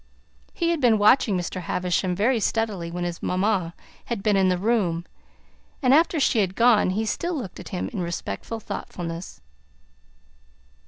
He had been watching Mr. Havisham very steadily when his mamma had been in the room, and after she was gone he still looked at him in respectful thoughtfulness.